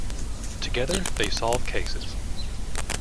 Together they solve cases.